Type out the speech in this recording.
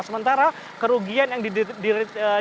sementara kerugian yang didapatkan